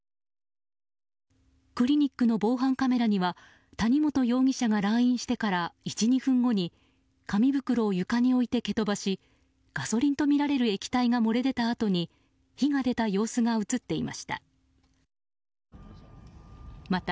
クリニックの防犯カメラには谷本容疑者が来院してから１２分後に紙袋を床に置いて蹴飛ばしガソリンとみられる液体が漏れ出たあとに火が出た様子が映っていました。